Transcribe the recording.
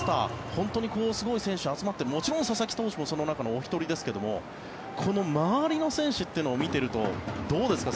本当にすごい選手が集まってもちろん佐々木投手もその中のお一人ですがこの周りの選手というのを見ていると、どうですか。